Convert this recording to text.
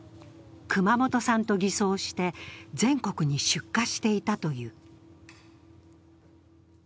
熊本産と偽装して全国に出荷していたという。